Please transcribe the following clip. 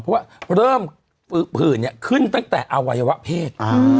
เพราะว่าเริ่มผื่นขึ้นตั้งแต่อวัยวะเพศ